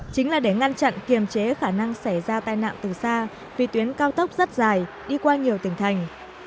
chính là để ngăn chặn kiềm chế khả năng xảy ra tai nạn từ xa vì tuyến cao tốc rất dài đi qua nhiều tỉnh thành